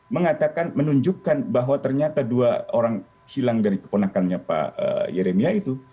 mengatakan menunjukkan bahwa ternyata dua orang hilang dari keponakannya pak yeremia itu